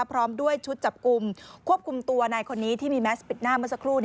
พร้อมด้วยชุดจับกลุ่มควบคุมตัวนายคนนี้ที่มีแมสปิดหน้าเมื่อสักครู่